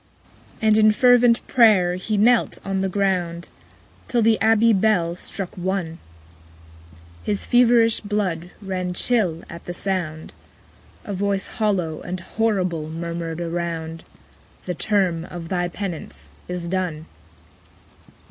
8. And in fervent pray'r he knelt on the ground, Till the abbey bell struck One: His feverish blood ran chill at the sound: A voice hollow and horrible murmured around _45 'The term of thy penance is done!'